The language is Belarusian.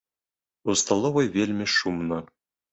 У сталовай вельмі шумна.